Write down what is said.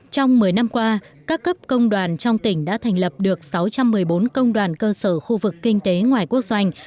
trong một mươi năm qua các cấp công đoàn trong tỉnh đã thành lập được sáu trăm một mươi bốn công đoàn cơ sở khu vực kinh tế ngoài quốc doanh